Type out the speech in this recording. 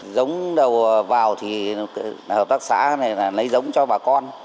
giống đầu vào thì hợp tác xã này là lấy giống cho bà con